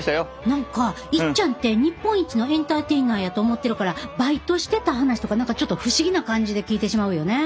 何かいっちゃんって日本一のエンターテイナーやと思ってるからバイトしてた話とか何かちょっと不思議な感じで聞いてしまうよね。